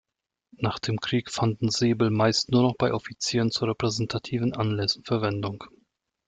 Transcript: Nach dem Krieg fanden Säbel meist nur noch bei Offizieren zu repräsentativen Anlässen Verwendung.